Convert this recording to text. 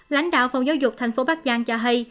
lãnh đạo phòng giáo dục tp bắc giang cho hay